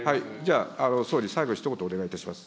総理、最後、ひと言お願いいたします。